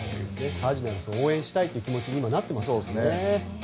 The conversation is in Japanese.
カージナルスを応援したい気持ちになっていますね。